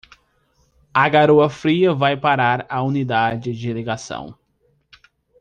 A garoa fria vai parar a unidade de ligação.